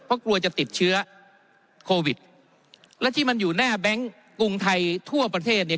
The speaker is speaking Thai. เพราะกลัวจะติดเชื้อโควิดและที่มันอยู่หน้าแบงค์กรุงไทยทั่วประเทศเนี่ย